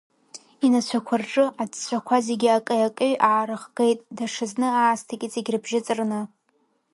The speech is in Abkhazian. Инацәақәа рҿы аҵәҵәақәа зегьы акеҩ-акеҩ аарыхгеит, даҽазны аасҭа иҵегь рыбжьы ҵарны.